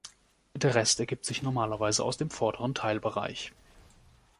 Der Rest ergibt sich normalerweise aus dem vorderen Teilbereich.